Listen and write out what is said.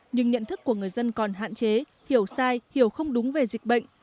nhưng nhận thức của người dân còn hạn chế hiểu sai hiểu không đúng về dịch bệnh